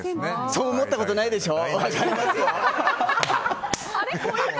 そう思ったことないでしょ？